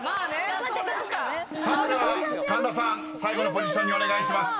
［さあでは神田さん最後のポジションにお願いします］